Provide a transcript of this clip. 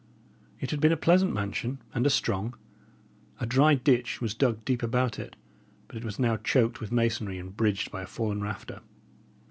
It had been a pleasant mansion and a strong. A dry ditch was dug deep about it; but it was now choked with masonry, and bridged by a fallen rafter.